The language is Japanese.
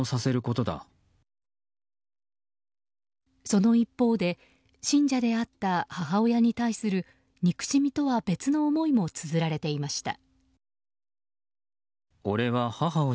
その一方で信者であった母親に対する憎しみとは別の思いもつづられていました。